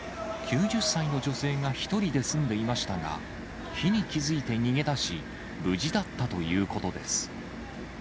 ９０歳の女性が１人で住んでいましたが、火に気付いて逃げ出し、無事だったということです。